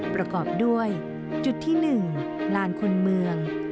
ประกอบด้วยจุดที่๑ลานคนเมือง